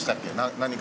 何か。